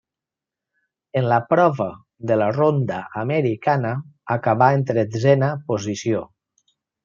En la prova de la ronda americana acabà en tretzena posició.